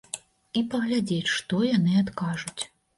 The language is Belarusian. І паглядзець, што яны адкажуць.